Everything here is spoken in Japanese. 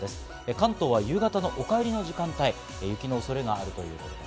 関東は夕方のお帰りの時間帯、雪の恐れがあるということです。